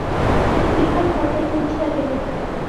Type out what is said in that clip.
তিনি বিভার ঘর হইতে উঠিয়া গেলেন।